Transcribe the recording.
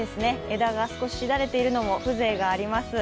枝が少ししだれているのも風情があります。